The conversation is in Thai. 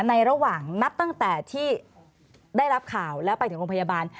ในระหว่างนับตั้งแต่ที่ได้รับข่าวแล้วไปถึงโรงพยาบาล